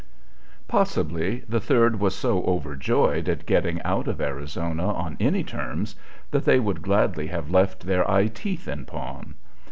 Possibly the Third was so overjoyed at getting out of Arizona on any terms that they would gladly have left their eye teeth in pawn.